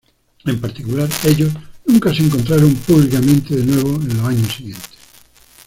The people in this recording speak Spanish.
En particular, ellos nunca se encontraron 'públicamente' de nuevo en los años siguientes.